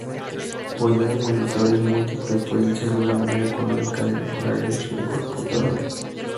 Poner monitores múltiples puede ser una manera económica de mejorar el uso de computadora.